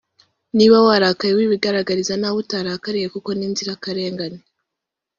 niba warakaye wibigaragariza n’abo utarakariye kuko ni inzirakarengane